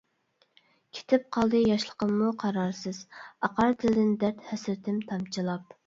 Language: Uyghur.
كېتىپ قالدى ياشلىقىممۇ قارارسىز، ئاقار دىلدىن دەرد ھەسرىتىم تامچىلاپ.